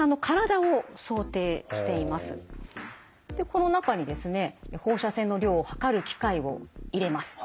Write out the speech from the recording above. この中にですね放射線の量を測る機械を入れます。